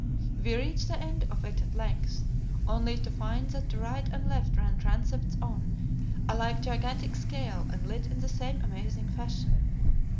We reached the end of it at length, only to find that to right and left ran transepts on a like gigantic scale and lit in the same amazing fashion.